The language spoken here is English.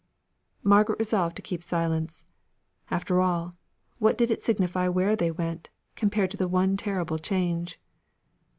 Margaret resolved to keep silence. After all, what did it signify where they went, compared to the one terrible change?